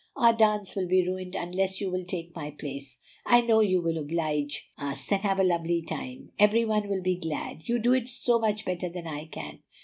Our dance will be ruined unless you will take my place. I know you will to oblige us, and have a lovely time. Every one will be glad, you do it so much better than I can.